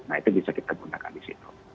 nah itu bisa kita gunakan disitu